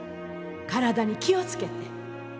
体に気を付けて。